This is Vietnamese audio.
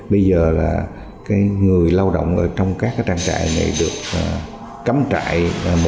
bây giờ là người lao động trong các trang trại này được cấm trại một trăm linh